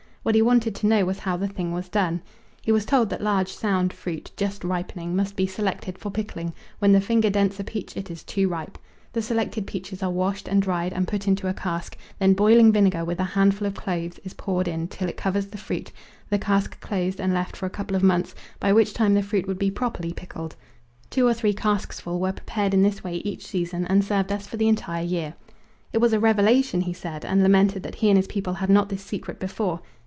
What he wanted to know was how the thing was done. He was told that large, sound fruit, just ripening, must be selected for pickling; when the finger dents a peach it is too ripe. The selected peaches are washed and dried and put into a cask, then boiling vinegar, with a handful of cloves is poured in till it covers the fruit, the cask closed and left for a couple of months, by which time the fruit would be properly pickled. Two or three casks full were prepared in this way each season and served us for the entire year. It was a revelation, he said, and lamented that he and his people had not this secret before.